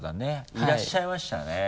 いらっしゃいましたね。